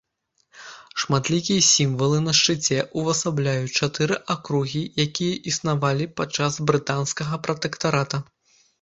Шматлікія сімвалы на шчыце ўвасабляюць чатыры акругі, якія існавалі падчас брытанскага пратэктарата.